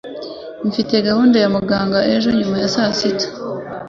Mfite gahunda ya muganga ejo nyuma ya saa sita.